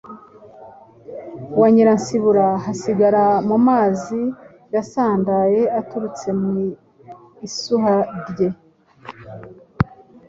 wa Nyiransibura hasigara mu mazi yasandaye aturutse mu isuha rye,